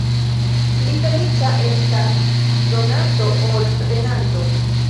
Pli feliĉa estas donanto ol prenanto.